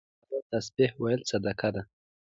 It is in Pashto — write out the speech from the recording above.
نو د الله تعالی تسبيح ويل صدقه ده